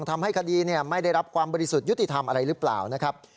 ทำให้คดีไม่ได้รับความบริสุทธิ์ยุติธรรมอะไรหรือเปล่านะครับ